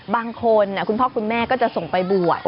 บางคนคุณพ่อคุณแม่ก็จะส่งไปบวก